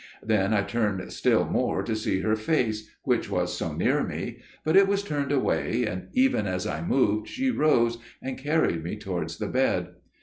Then I turned still more to see her face, which was so near me, but it was turned away; and even as I moved she rose and carried me towards the bed.